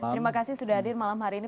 terima kasih sudah hadir malam hari ini